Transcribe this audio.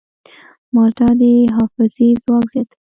مالټه د حافظې ځواک زیاتوي.